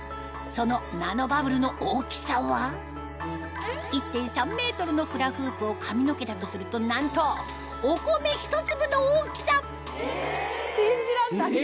そのナノバブルの大きさは１．３ｍのフラフープを髪の毛だとするとなんとお米ひと粒の大きさ信じらんない！